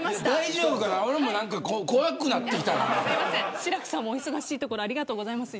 志らくさんもお忙しいところありがとうございます。